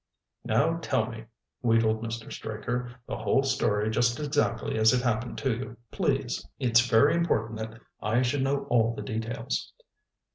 "Now, tell me," wheedled Mr. Straker, "the whole story just exactly as it happened to you, please. It's very important that I should know all the details."